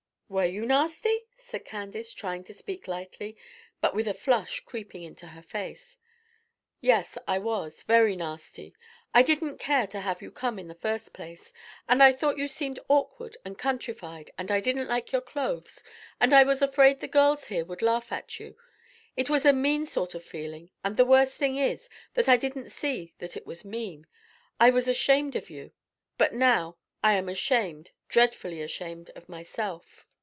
"Were you nasty?" said Candace, trying to speak lightly, but with a flush creeping into her face. [Illustration: THE CLIFFS. "I shall always love this rock," said Candace. PAGE 281.] "Yes, I was; very nasty. I didn't care to have you come, in the first place; and I thought you seemed awkward and countrified, and I didn't like your clothes, and I was afraid the girls here would laugh at you. It was a mean sort of feeling, and the worst thing is that I didn't see that it was mean. I was ashamed of you; but now I am ashamed, dreadfully ashamed, of myself.